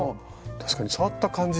確かに触った感じ